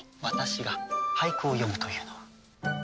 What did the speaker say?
私が俳句を詠むというのは。